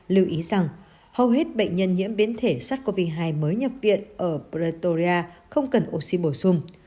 lưu ý rằng hầu hết bệnh nhân nhiễm biến thể sars cov hai mới nhập viện ở pretoria không cần oxy bổ sung